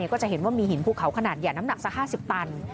ก็จะเห็นว่ามีหินภูเขาขนาดใหญ่น้ำหนักสัก๕๐ตัน